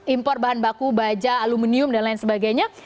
impor bahan baku baja aluminium dan lain sebagainya